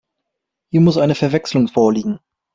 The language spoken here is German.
Hier muss eine Verwechslung vorliegen.